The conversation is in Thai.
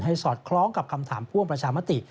สอดคล้องกับคำถามพ่วงประชามติ